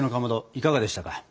いかがでしたか？